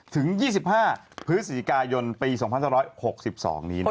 ถึง๒๕พฤศจิกายนปี๒๖๖๒นี้นะครับ